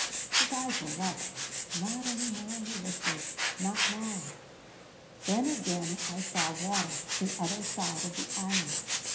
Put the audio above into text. His eyes were wet. "Not any more," he whispered. "Not now." "Then again I saw water the other side of the Island."